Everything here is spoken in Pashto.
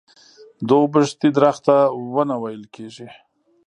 د اوبښتې درخته ونه ويل کيږي.